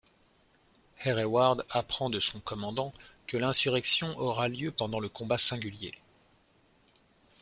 Hereward apprend de son commandant que l'insurrection aura lieu pendant le combat singulier.